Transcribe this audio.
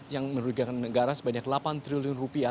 yang merugikan negara sebanyak delapan triliun rupiah